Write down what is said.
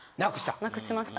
なくしました。